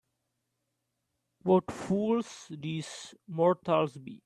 What fools these mortals be